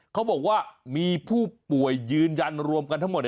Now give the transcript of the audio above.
เขาบอกว่ามีผู้ป่วยยืนยันรวมกันทั้งหมด